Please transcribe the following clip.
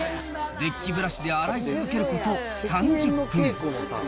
デッキブラシで洗い続けること３０分。